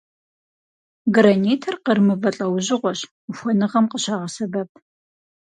Гранитыр къыр мывэ лӏэужьыгъуэщ, ухуэныгъэм къыщагъэсэбэп.